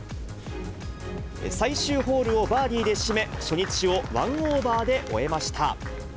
最終ホールをバーディーで締め、初日を１オーバーで終えました。